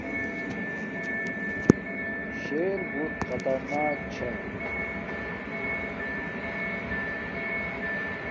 شر بُوٹ خطرناک چھا